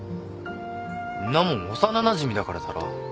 んなもん幼なじみだからだろ。